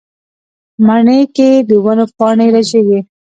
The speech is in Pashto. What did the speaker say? مني کې د ونو پاڼې رژېږي